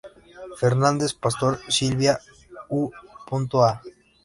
Fernández Pastor Silvia u.a.